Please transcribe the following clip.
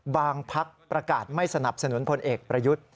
พักประกาศไม่สนับสนุนพลเอกประยุทธ์